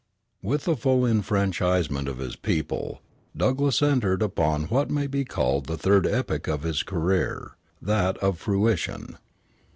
With the full enfranchisement of his people, Douglass entered upon what may be called the third epoch of his career, that of fruition.